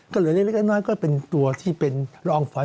ก็เหลือเล็กน้อยก็เป็นตัวที่เป็นรองไฟ